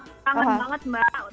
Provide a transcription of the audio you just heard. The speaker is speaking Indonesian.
kangen banget mbak